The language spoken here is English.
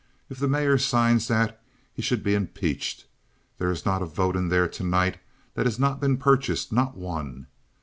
If the mayor signs that he should be impeached. There is not a vote in there to night that has not been purchased—not one.